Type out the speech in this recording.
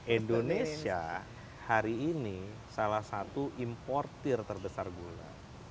indonesia hari ini salah satu importer terbesar gula